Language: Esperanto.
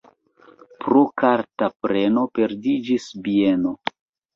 Pro karta preno perdiĝis bieno.